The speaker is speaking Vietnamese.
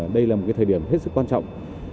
đây là một thời điểm rất quan trọng